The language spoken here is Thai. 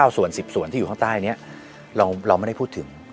ส่วน๑๐ส่วนที่อยู่ข้างใต้นี้เราไม่ได้พูดถึง